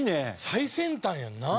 最先端やんな。